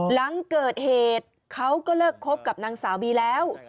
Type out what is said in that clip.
หลังเกิดเหตุเขาก็เลิกคบกับนางสาวบีแล้ว